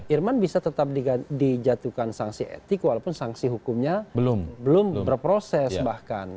irman bisa tetap dijatuhkan sanksi etik walaupun sanksi hukumnya belum berproses bahkan